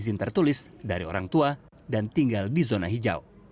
izin tertulis dari orang tua dan tinggal di zona hijau